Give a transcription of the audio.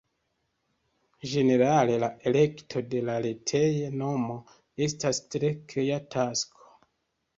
Ĝenerale, la elekto de la retej-nomo estas tre krea tasko.